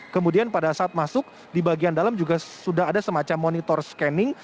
kemudian pada saat masuk di bagian dalam juga sudah ada semacam monitor scanning